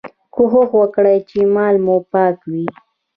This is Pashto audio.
کوښښ وکړئ چي مال مو پاک وي.